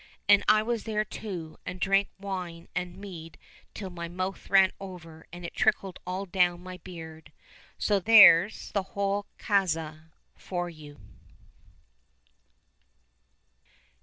And I was there too, and drank wine and mead till my mouth ran over and it trickled all down my beard. So there's the whole kazka for you.